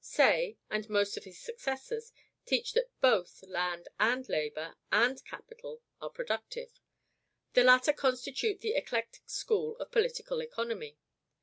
Say, and most of his successors, teach that BOTH land AND labor AND capital are productive. The latter constitute the eclectic school of political economy.